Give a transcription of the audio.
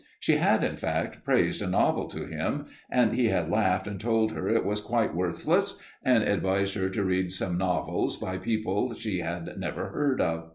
She had, in fact, praised a novel to him, and he had laughed and told her it was quite worthless, and advised her to read some novels by people she had never heard of.